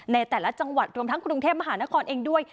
ในแต่ละจังหวัดรวมทั้งกรุงเทพมหานครเองด้วย